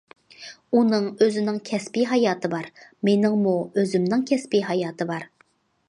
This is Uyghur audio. ئۇنىڭ ئۆزىنىڭ كەسپىي ھاياتى بار، مېنىڭمۇ ئۆزۈمنىڭ كەسپىي ھاياتى بار.